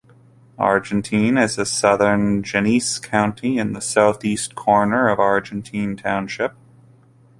Argentine is in southern Genesee County, in the southeast corner of Argentine Township.